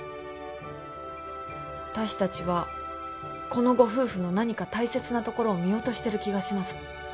私たちはこのご夫婦の何か大切なところを見落としてる気がします。